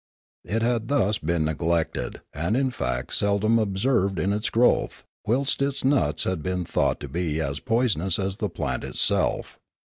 It had thus been neglected and in fact seldom observed in its growth; whilst its nuts ha4 been thought to be as poisonous as the plant itself.